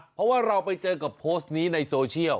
เพราะว่าเราไปเจอกับโพสต์นี้ในโซเชียล